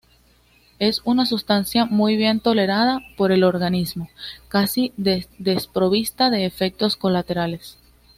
Es una sustancia muy bien tolerada por el organismo, casi desprovista de efectos colaterales.